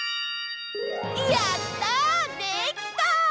やったできた！